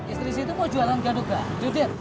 istri situ mau jualan gaduh gaduh judit